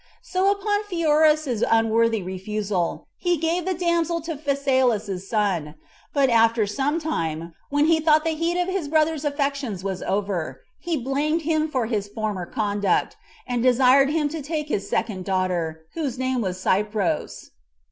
So upon Pheroras's unworthy refusal, he gave the damsel to Phasaelus's son; but after some time, when he thought the heat of his brother's affections was over, he blamed him for his former conduct, and desired him to take his second daughter, whose name was Cypros.